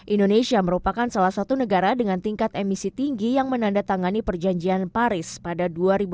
indonesia merupakan salah satu negara dengan tingkat emisi tinggi yang menandatangani perjanjian paris pada dua ribu dua puluh